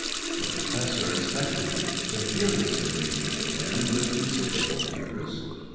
The Professor inspected the furiously raging Finn with considerable interest.